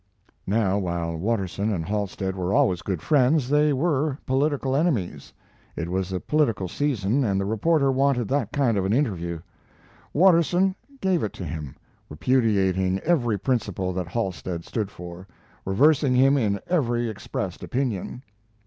Now, while Watterson and Halstead were always good friends, they were political enemies. It was a political season and the reporter wanted that kind of an interview. Watterson gave it to him, repudiating every principle that Halstead stood for, reversing him in every expressed opinion.